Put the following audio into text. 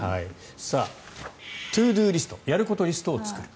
ＴｏＤｏリストやることリストを作る。